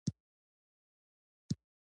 زه د خپلو ملګرو سره د علم په اړه خبرې کوم.